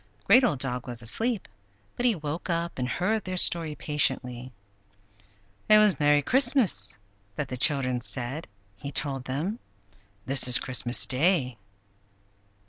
Great Old Dog was asleep, but he woke up and heard their story patiently. "It was 'Merry Christmas!' that the children said," he told them. "This is Christmas Day."